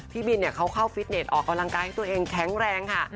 พี่บินเขาเข้าฟิตเน็ตออกกำลังกายให้ตัวเองแข็งแรงค่ะ